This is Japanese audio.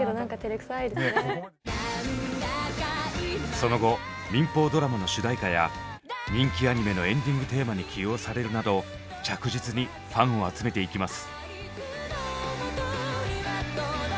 その後民放ドラマの主題歌や人気アニメのエンディングテーマに起用されるなど着実にファンを集めていきます。